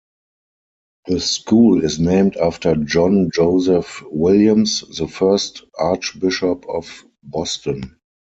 The school is named after John Joseph Williams, the first Archbishop of Boston.